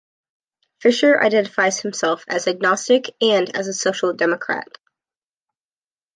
Fischer identifies himself as agnostic and as a social democrat.